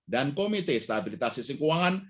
dan komite stabilitas sisi keuangan